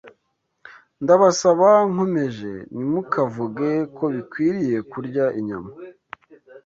Ndabasaba nkomeje, ntimukavuge ko bikwiriye kurya inyama